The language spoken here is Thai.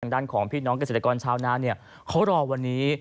ด้านของพี่น้องเกษตรกรชาวนาเขารอวันนี้